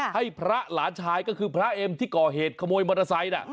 ให้พระหลานชายก็คือพระเอ็มที่ก่อเหตุขโมยมอเตอร์ไซค์